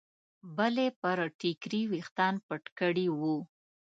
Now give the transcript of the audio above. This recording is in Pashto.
بلې پر ټیکري ویښتان پټ کړي وو.